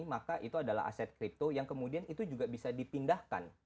maka itu adalah aset kripto yang kemudian itu juga bisa dipindahkan